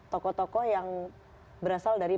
tokoh tokoh yang berasal dari